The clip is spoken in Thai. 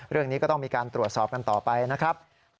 เรื่องนี้ก็ต้องมีการตรวจสอบกันต่อไปนะครับ